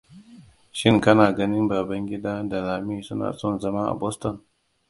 Shin kana ganin Babangida da Lami suna son zama a Boston?